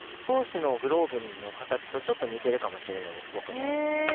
山本投手のグローブの形とちょっと似ているかもしれないです。